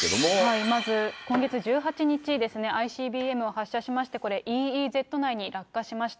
まず今月１８日ですね、ＩＣＢＭを発射しまして、これ、ＥＥＺ内に落下しました。